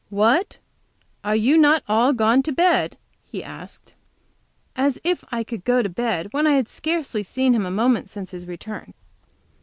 "What, are you not all gone to bed?" he asked. As if I could go to bed when I had scarcely seen him a moment since his return!